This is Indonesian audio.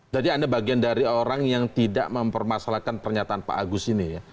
jadi anda bagian dari orang yang tidak mempermasalahkan pernyataan pak agus ini ya